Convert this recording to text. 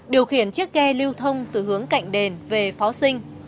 điều khiển chiếc ghe lưu thông từ hướng cạnh đền về pháo sinh